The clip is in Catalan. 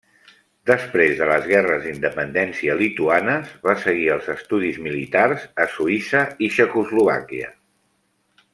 Després de les guerres d'independència lituanes va seguir els estudis militars a Suïssa i Txecoslovàquia.